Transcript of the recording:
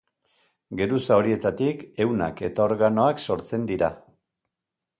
Geruza horietatik ehunak eta organoak sortzen dira.